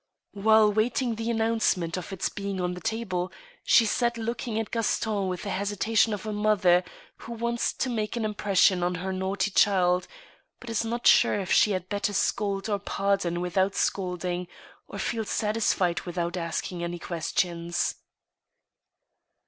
While waiting the announcement of its being on the table, she sat looking at Gaston with the hesitation of a mother who wants to make an impression on her naughty child, but is not sure if she had better scold or pardon without scolding, or feel satisfied without asking any questions.